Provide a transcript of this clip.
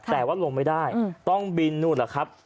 แต่ว่าลงไม่ได้ต้องบินนู่นแหละครับ